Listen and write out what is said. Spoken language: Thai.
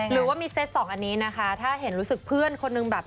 หรือว่ามีเซตสองอันนี้นะคะถ้าเห็นรู้สึกเพื่อนคนนึงแบบ